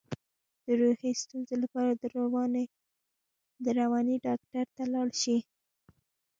د روحي ستونزو لپاره د رواني ډاکټر ته لاړ شئ